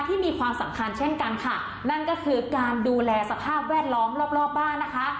มีความสำคัญเช่นกันค่ะนั่นก็คือการดูแลสภาพแวดล้อมรอบรอบบ้านนะคะ